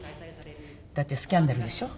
だってスキャンダルでしょ？